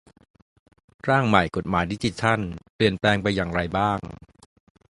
ร่างใหม่กฎหมายดิจิทัล เปลี่ยนแปลงไปอย่างไรบ้าง